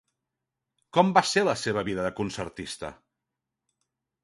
Com va ser la seva vida de concertista?